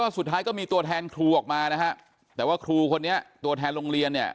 สุดท้ายก็มีตัวแทนครูออกมานะฮะแต่ว่าครูคนนี้ตัวแทนโรงเรียนเนี่ย